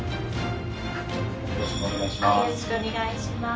よろしくお願いします。